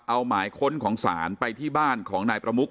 เอาหมายค้นของศาลไปที่บ้านของนายประมุก